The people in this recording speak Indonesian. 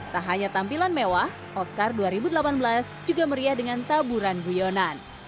tak hanya tampilan mewah oscar dua ribu delapan belas juga meriah dengan taburan guyonan